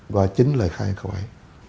qua chính lời khai khỏi